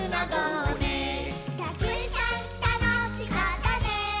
「たくさんたのしかったね」